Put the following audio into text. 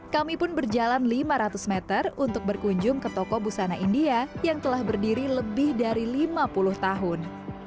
kami pun berjalan lima ratus meter untuk berkunjung ke toko busana india yang telah berdiri lebih dari lima puluh tahun